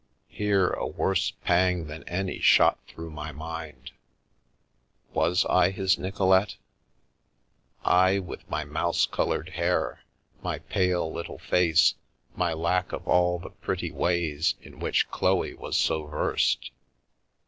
Here, a worse pang than any shot through my mind. Was I his Nicolete? I, with my mouse coloured hair, my pale, little face, my lack of all the pretty ways in which Chloe was so versed